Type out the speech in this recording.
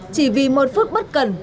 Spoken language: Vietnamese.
chỉ vì một phút bất cần